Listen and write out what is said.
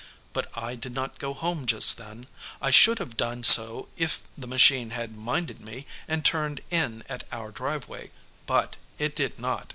But I did not go home just then. I should have done so if the machine had minded me and turned in at our driveway, but it did not.